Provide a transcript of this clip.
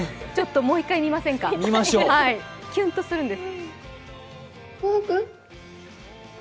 もう一回みませんか、キュンとするんです。